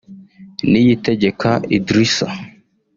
Niyitegeka idrissa